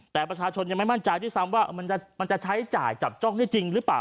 แต่ประชาชนยังไม่มั่นใจด้วยซ้ำว่ามันจะใช้จ่ายจับจ้องได้จริงหรือเปล่า